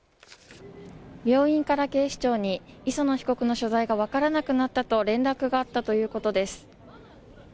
病院から警視庁に磯野被告の所在が分からなくなったと連絡があったということです。